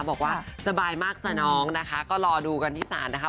บอกว่าสบายมากจ้ะน้องนะคะก็รอดูกันที่ศาลนะคะ